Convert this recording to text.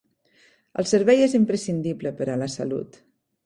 El servei és imprescindible per a la salut.